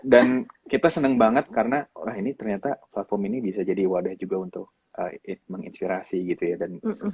dan kita seneng banget karena ternyata platform ini bisa jadi wadah juga untuk menginspirasi gitu ya